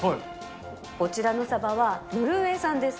こちらのサバは、ノルウェー産です。